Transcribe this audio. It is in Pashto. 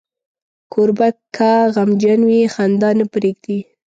کوربه که غمجن وي، خندا نه پرېږدي.